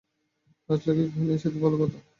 রাজলক্ষ্মী কহিলেন, সে তো ভালো কথা।